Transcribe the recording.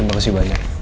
terima kasih banyak